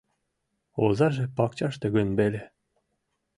Озаже пакчаште гын веле?